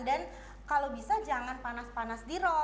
dan kalau bisa jangan panas panas dirol